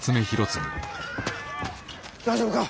大丈夫か？